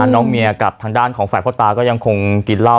น้องเมียกับทางด้านของฝ่ายพ่อตาก็ยังคงกินเหล้า